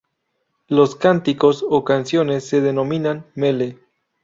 Los cánticos o canciones se denominan "mele".